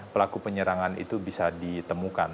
pelaku penyerangan itu bisa ditemukan